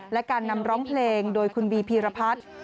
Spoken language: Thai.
และการนำร้องเพลงโดยคุณบีพีรพัฒน์